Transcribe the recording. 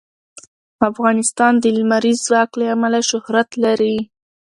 افغانستان د لمریز ځواک له امله شهرت لري.